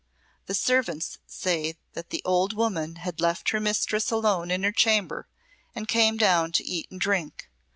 The servants say that the old woman had left her mistress alone in her chamber and came down to eat and drink.